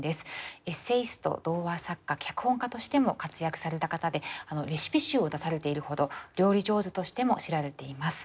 エッセイスト童話作家脚本家としても活躍された方でレシピ集を出されているほど料理上手としても知られています。